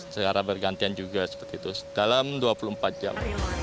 secara bergantian juga seperti itu dalam dua puluh empat jam